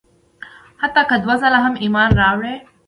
حتی که دوه ځله هم ایمان راوړي.